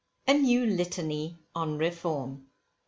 A NEW LITANY ON REFORM.